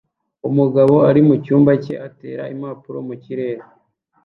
umugabo ari mucyumba cye atera impapuro mu kirere